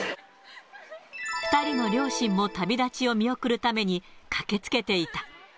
２人の両親も旅立ちを見送るために、駆けつけていた。